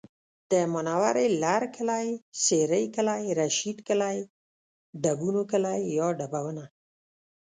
د منورې لرکلی، سېرۍ کلی، رشید کلی، ډبونو کلی یا ډبونه